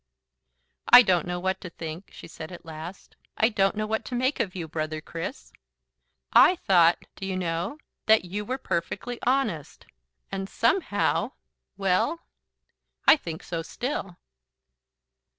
"I don't know what to think," she said at last. "I don't know what to make of you brother Chris. I thought, do you know? that you were perfectly honest. And somehow " "Well?" "I think so still."